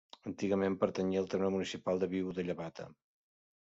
Antigament pertanyia al terme municipal de Viu de Llevata.